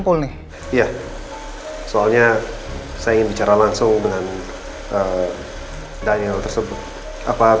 kalian mau minum apa